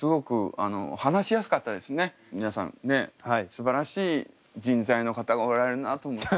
すばらしい人材の方がおられるなと思って。